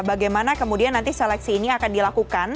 bagaimana kemudian nanti seleksi ini akan dilakukan